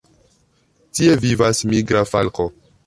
Tie vivas migra falko.